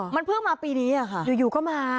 มันเพิ่งมาปีนี้ค่ะอยู่ก็มา